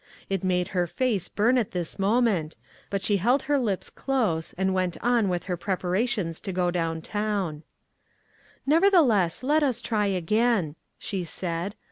It made her face burn at this moment, but she held her lips close, and went on with her preparations to go down town. "WHAT IS THE USE?" 2OI "Nevertheless, let us try again," she said.